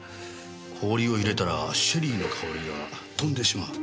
氷を入れたらシェリーの香りが飛んでしまう。